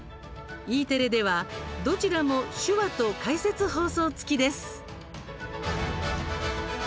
Ｅテレではどちらも手話と解説放送つきです。